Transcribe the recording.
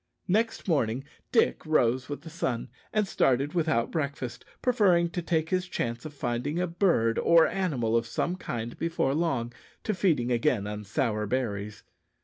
Next morning Dick rose with the sun, and started without breakfast, preferring to take his chance of finding a bird or animal of some kind before long, to feeding again on sour berries.